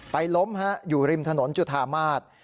ล้มอยู่ริมถนนจุธามาศ